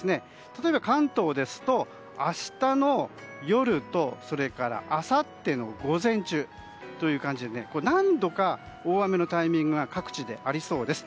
例えば関東ですと、明日の夜とそれからあさっての午前中という感じで何度か大雨のタイミングが各地でありそうです。